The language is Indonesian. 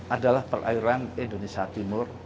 adalah perairan indonesia timur